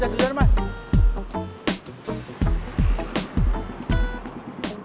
apa dia produsnya